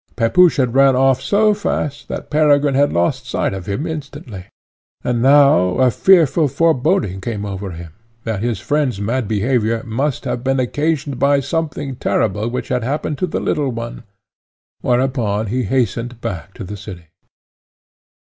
Pepusch ran off so fast that Peregrine had lost sight of him on the instant; and now a fearful foreboding came over him, that his friend's mad behaviour must have been occasioned by something terrible which had happened to the little one: whereupon he hastened back to the city.